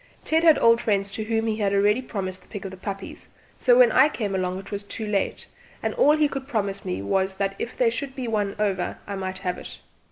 Ted had old friends to whom he had already promised the pick of the puppies, so when I came along it was too late, and all he could promise me was that if there should be one over I might have it.